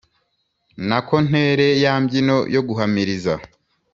Nako ntere ya mbyino yo guhamiriza